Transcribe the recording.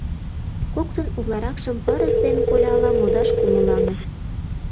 Коктын утларакшым пырыс ден коляла модаш кумылаҥыт.